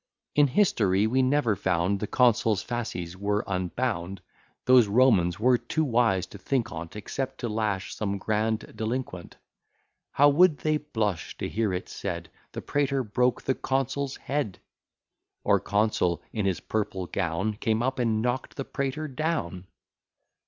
In history we never found The consul's fasces were unbound: Those Romans were too wise to think on't, Except to lash some grand delinquent, How would they blush to hear it said, The praetor broke the consul's head! Or consul in his purple gown, Came up and knock'd the praetor down!